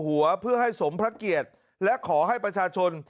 ไม่ให้สมพระเกียจและขอให้ประชาชน